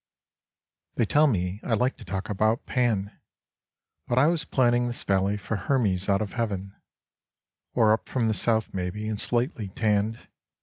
They tell me I like to talk about Pan, But I was planning this valley for Hermes out of heaven, Or up from the south, maybe, and slightly tanned.